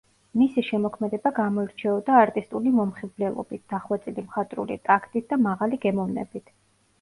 მისი შემოქმედება გამოირჩეოდა არტისტული მომხიბვლელობით, დახვეწილი მხატვრული ტაქტით და მაღალი გემოვნებით.